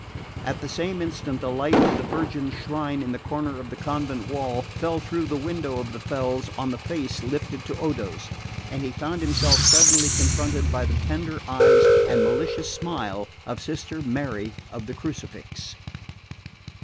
At the same instant the light of the Virgin's shrine in the corner of the convent wall fell through the window of the felze on the face lifted to Odo's; and he found himself suddenly confronted by the tender eyes and malicious smile of Sister Mary of the Crucifix.